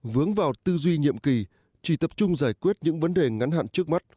vướng vào tư duy nhiệm kỳ chỉ tập trung giải quyết những vấn đề ngắn hạn trước mắt